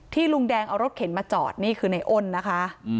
ลุงแดงเอารถเข็นมาจอดนี่คือในอ้นนะคะ